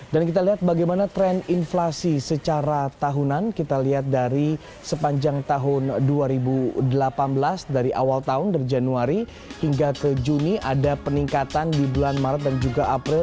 dan kita lihat bagaimana tren inflasi secara tahunan kita lihat dari sepanjang tahun dua ribu delapan belas dari awal tahun dari januari hingga ke juni ada peningkatan di bulan maret dan juga april